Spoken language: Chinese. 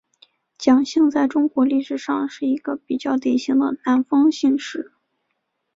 蒋姓在中国历史上是一个比较典型的南方姓氏。